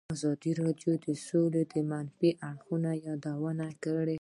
ازادي راډیو د سوله د منفي اړخونو یادونه کړې.